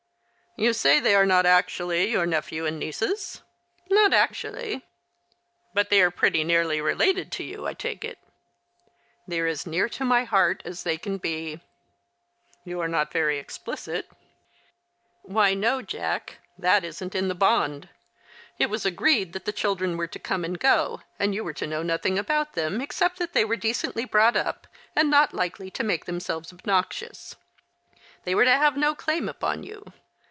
"You say they are not actually your nephew and nieces ?"" Not actually !" "But they are pretty nearly related to you, I take it ?"" They are as near to my heart as they can be !"" You are not very explicit." " Why, no. Jack ; that isn't in the bond. It was agreed that tlie children were to come and go, and you were to know nothing about them, except that they were decently brought uj^, and not likely to make themselves obnoxious. They were to have no claim upon you.